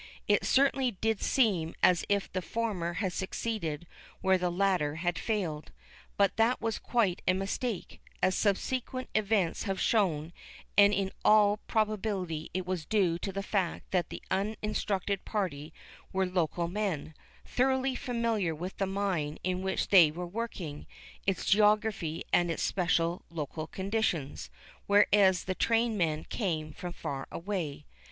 It certainly did seem as if the former had succeeded where the latter had failed. But that was quite a mistake, as subsequent events have shown, and in all probability it was due to the fact that the uninstructed party were local men, thoroughly familiar with the mine in which they were working, its geography and its special local conditions, whereas the trained men came from far away.